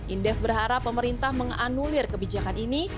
indef berharap pemerintah menganulir kebijakan ini